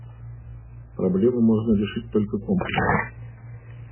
Проблему можно решить только комплексно.